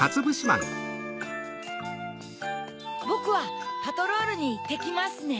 ぼくはパトロールにいってきますね。